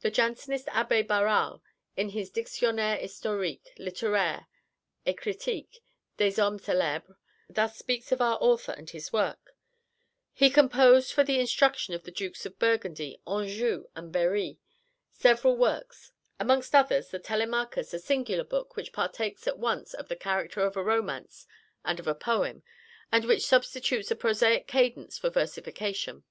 The Jansenist Abbé Barral, in his Dictionnaire Historique, Littéraire, et Critique, des Hommes Célèbres, thus speaks of our author and his work: "He composed for the instruction of the Dukes of Burgundy, Anjou, and Berri several works; amongst others, the Telemachus a singular book, which partakes at once of the character of a romance and of a poem, and which substitutes a prosaic cadence for versification.